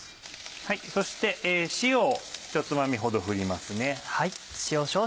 そして塩をひとつまみほど振りますね。